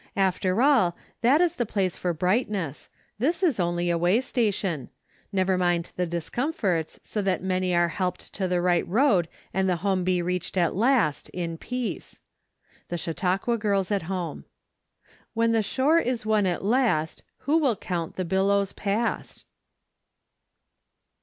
After all, that is the place for brightness. This is only a way station ; never mind the discomforts, so that many are helped to the right road and the home be reached at last, in peace. The Chautanqna Girls at Home. " When the shore is won at last, Who icill count the billoics past